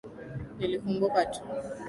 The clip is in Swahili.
Nilikumbuka tu.